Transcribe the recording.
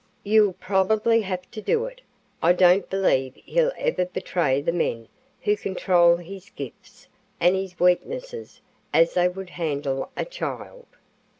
"You'll probably have to do it. I don't believe he'll ever betray the men who control his gifts and his weaknesses as they would handle a child."